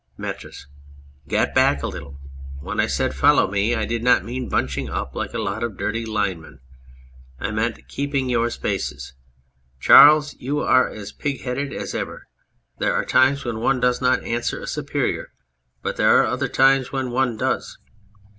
} METRIS. Get back a little ! When I said follow me I did not mean bunching up like a lot of dirty lines men. I meant keeping your spaces. ... Charles, you are as pig headed as ever ! There are times when one does not answer a superior, but there are other times when one does.